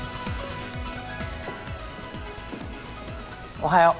おはよう。